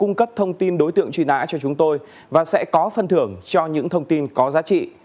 quý vị sẽ được bảo mật thông tin đối tượng truy nã cho chúng tôi và sẽ có phân thưởng cho những thông tin có giá trị